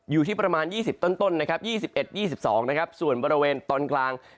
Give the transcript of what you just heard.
อยู่ที่ประมาณ๒๐ต้นนะครับ๒๑๒๒นะครับส่วนบริเวณตอนกลาง